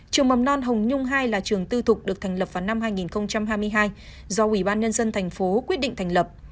trường mầm non hồng nhung hai là trường tư thục được thành lập vào năm hai nghìn hai mươi hai do ủy ban nhân dân thành phố quyết định thành lập